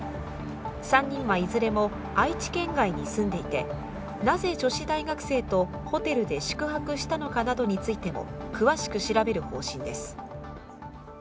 ３人はいずれも愛知県外に住んでいてなぜ女子大学生とホテルで宿泊したのかなどについても詳しく調べる方針です。